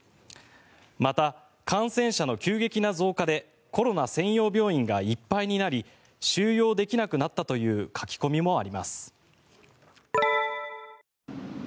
また、感染者の急激な増加でコロナ専用病院がいっぱいになり収容できなくなったという書き込みもあります。